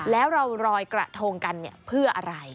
แล้วเรารอยกระทงกันเพื่ออะไร